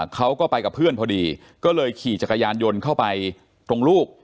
เขาก็ไปกับเพื่อนพอดีก็เลยขี่จักรยานยนต์เข้าไปตรงลูก